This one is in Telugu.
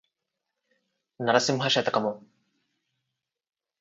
నరసింహ శతకము